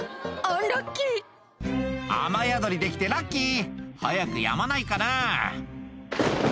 アンラッキー「雨宿りできてラッキー早くやまないかな」